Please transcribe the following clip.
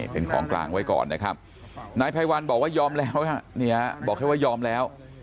เป็นของกลางไว้ก่อนนะครับนายภัยวันบอกว่ายอมแล้วบอกแค่ว่ายอมแล้ว